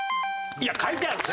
いやいや書いてあるし！